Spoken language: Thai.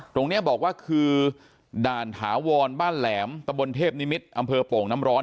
ตรงนี้บอกว่าคือด่านถาวรบ้านแหลมตะบนเทพนิมิตรอำเภอโป่งน้ำร้อน